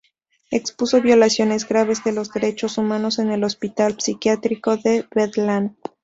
Expuso violaciones graves de los derechos humanos en el hospital psiquiátrico de Bedlam.